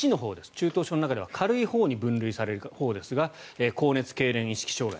中等症の中では軽いほうに分類されるほうですが高熱、けいれん、意識障害。